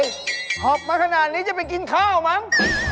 หอบมาขนาดนี้จะไปกินข้าวมั้ง